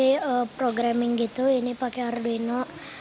belajari programming gitu ini pakai arduino